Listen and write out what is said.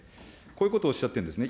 こういうことをおっしゃってるんですね。